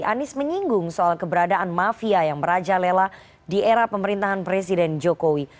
anies menyinggung soal keberadaan mafia yang merajalela di era pemerintahan presiden jokowi